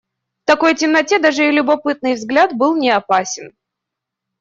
В такой темноте даже и любопытный взгляд был неопасен.